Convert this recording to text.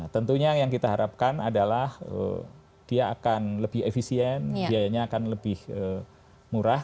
tentunya yang kita harapkan adalah dia akan lebih efisien biayanya akan lebih murah